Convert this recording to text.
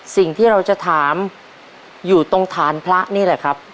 สิ่งที่เราจะถามอยู่ตรงฐานพระนี่แหละครับ